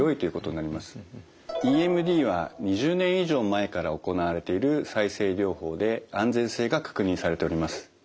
ＥＭＤは２０年以上前から行われている再生療法で安全性が確認されております。